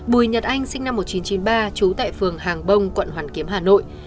bùi nhật anh sinh năm một nghìn chín trăm chín mươi ba trú tại phường hàng bông quận hoàn kiếm hà nội